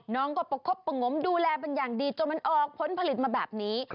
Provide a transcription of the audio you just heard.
น้องก็ประคบประงมดูแลเป็นอย่างดีจนมันออกผลผลิตมาแบบนี้